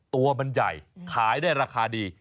ตัวมันใหญ่ขายได้ราคาดี